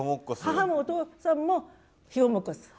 母もお父さんも肥後もっこす。